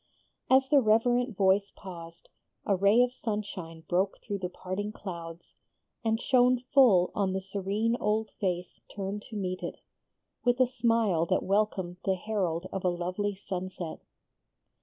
As the reverent voice paused, a ray of sunshine broke through the parting clouds, and shone full on the serene old face turned to meet it, with a smile that welcomed the herald of a lovely sunset.